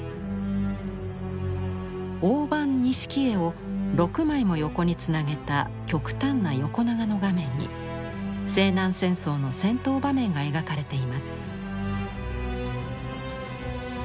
大判錦絵を６枚も横につなげた極端な横長の画面に西南戦争の戦闘場面が描かれています。